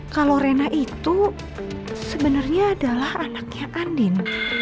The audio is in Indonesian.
kalau rena itu sebenarnya adalah anaknya andin